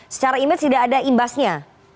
secara image tidak ada imbasnya